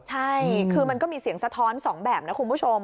ใช่คือมันก็มีเสียงสะท้อนสองแบบนะคุณผู้ชม